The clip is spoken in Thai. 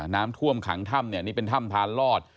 น้ำท่วมขังถ้ำเนี่ยนี่เป็นถ้ำพานลอด